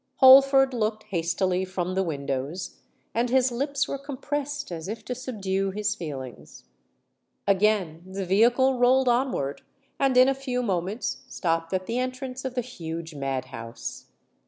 Holford looked hastily from the windows; and his lips were compressed as if to subdue his feelings. Again the vehicle rolled onward, and in a few moments stopped at the entrance of the huge mad house.